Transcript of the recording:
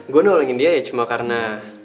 gue nolongin dia ya cuma karena